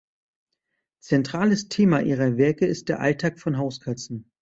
Zentrales Thema ihrer Werke ist der Alltag von Hauskatzen.